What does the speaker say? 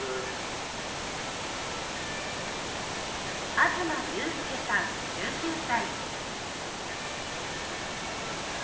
東佑丞さん、１９歳。